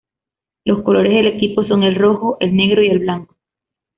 Los colores del equipo son el rojo, el negro y el blanco.